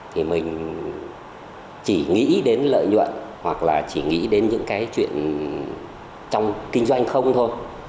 thì mình chỉ nghĩ đến lợi nhuận hoặc là chỉ nghĩ đến những cái chuyện trong kinh doanh không thôi